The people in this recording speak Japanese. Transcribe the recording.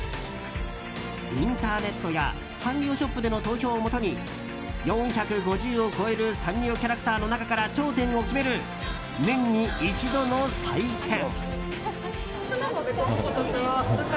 インターネットやサンリオショップでの投票をもとに４５０を超えるサンリオキャラクターの中から頂点を決める年に一度の祭典。